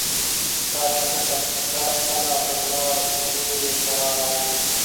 دا چټکه تله پر لار زوی یې کرار وو